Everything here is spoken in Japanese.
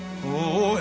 おい！